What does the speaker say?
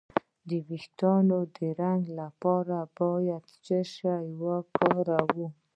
د ویښتو د رنګ لپاره باید څه شی وکاروم؟